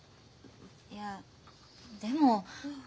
いやでも。